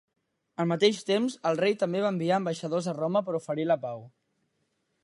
Al mateix temps, el rei també va enviar ambaixadors a Roma per oferir la pau.